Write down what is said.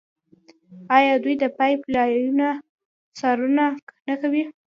آیا دوی د پایپ لاینونو څارنه نه کوي؟